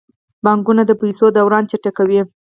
بانکونه د پیسو دوران چټکوي.